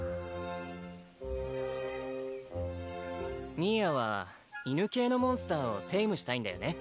ミーアは犬系のモンスターをテイムしたいんだよね？